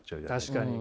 確かに。